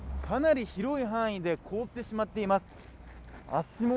かなり広い範囲で凍ってしまっています。